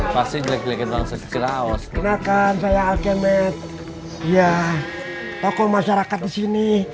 pasti jelek jelekin banget kiraos kenakan saya alkemet ya tokoh masyarakat di sini